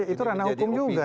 itu ranah hukum juga